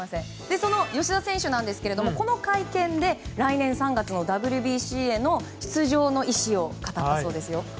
その吉田選手ですがこの会見で、来年３月のＷＢＣへの出場への意思を語ったそうですよ。